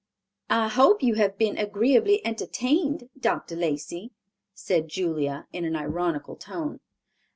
"I hope you have been agreeably entertained, Dr. Lacey," said Julia, in an ironical tone.